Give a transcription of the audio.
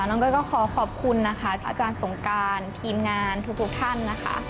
น้องเต้ยก็ขอขอบคุณนะคะพระอาจารย์สงการทีมงานทุกท่านนะคะ